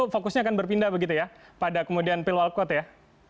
fokusnya akan berpindah begitu ya pada kemudian pil wali kota ya